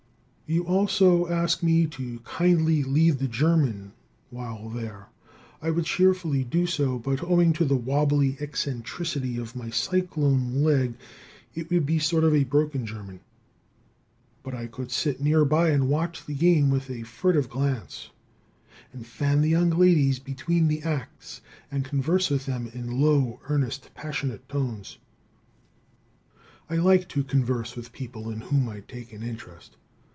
You also ask me to kindly lead the German while there. I would cheerfully do so, but owing to the wobbly eccentricity of my cyclone leg, it would be sort of a broken German. But I could sit near by and watch the game with a furtive glance, and fan the young ladies between the acts, and converse with them in low, earnest, passionate tones. I like to converse with people in whom I take an interest.